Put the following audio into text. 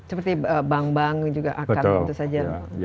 seperti bank bank juga akan tentu saja